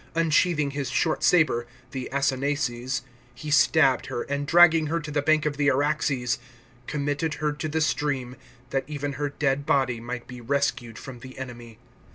Unsheaihing his short sabre (the acinaces), he stabbed her, and, dragging her to the bauk of the Araxes, committed her to the stream, that even her dead body might be rescued from the enemy.